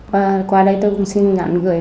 và qua đây tôi cũng xin ngắn gửi